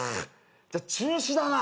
じゃあ中止だな。